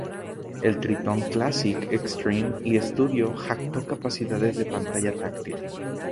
El Triton "Classic", Extreme, y Studio jactó capacidades de pantalla táctil.